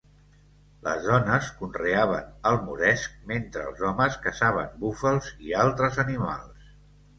Les dones conreaven el moresc mentre els homes caçaven búfals i altres animals.